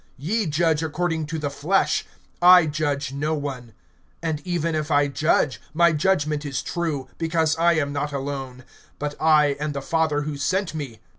(15)Ye judge according to the flesh; I judge no one. (16)And even if I judge, my judgment is true; because I am not alone, but I and the Father who sent me.